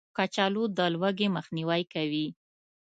کچالو د لوږې مخنیوی کوي